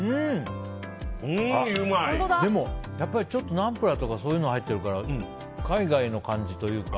でも、やっぱりナンプラーとかそういうのが入ってるから海外の感じというか。